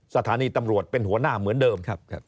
สถานีตำรวจเป็นหัวหน้าเหมือนเดิมครับ